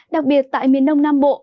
đặc biệt tại miền đông nam bộ